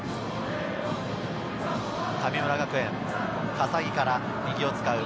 神村学園・笠置から右を使う。